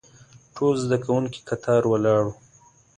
ټول زده کوونکي کتار ولاړ وو.